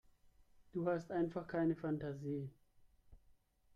Du hast einfach keine Fantasie.